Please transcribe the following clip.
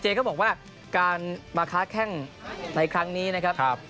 เจ๊เขาบอกว่าการมาคลาสแข่งในครั้งนี้นะครับ